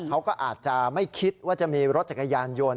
เขาก็อาจจะไม่คิดว่าจะมีรถจักรยานยนต์